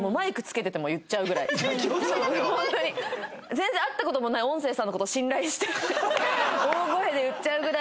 全然会った事もない音声さんの事を信頼して大声で言っちゃうぐらい。